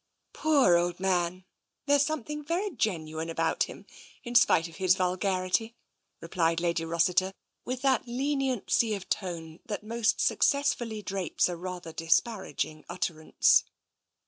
" Poor old man ! There's something very genuine about him, in spite of his vulgarity," replied Lady Ros siter, with that leniency of tone that most successfully drapes a rather disparaging utterance.